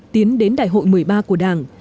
tiến đến đại hội một mươi ba của đảng